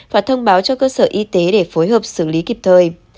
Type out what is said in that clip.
và thông báo cho cơ sở y tế để phối hợp xử lý kịp thời